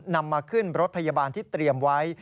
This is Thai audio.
นำมาขึ้นรถพยาบาลที่เตรียมไว้